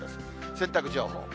洗濯情報。